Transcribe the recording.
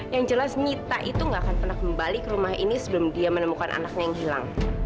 yang jelas nyita itu gak akan pernah kembali ke rumah ini sebelum dia menemukan anaknya yang hilang